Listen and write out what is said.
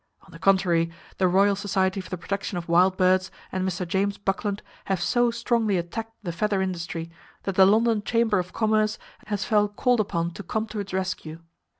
On the contrary, the Royal Society for the Protection of Wild Birds and Mr. James Buckland have so strongly attacked the feather industry that the London Chamber of Commerce has felt called upon to come to its rescue.